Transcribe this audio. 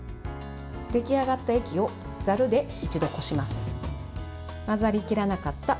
出来上がった液をざるで一度こします。